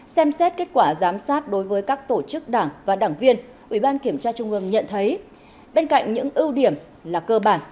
ba xem xét kết quả giám sát đối với các tổ chức đảng và đảng viên ubnd nhận thấy bên cạnh những ưu điểm là cơ bản